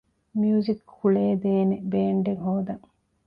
މިއުޒިކް ކުޅޭދޭނެ ބޭންޑެއް ހޯދަން